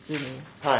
はい。